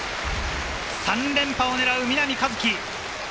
３連覇を狙う南一輝。